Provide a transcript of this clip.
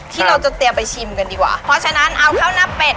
ที่เราจะเตรียมไปชิมกันดีกว่าเพราะฉะนั้นเอาข้าวหน้าเป็ด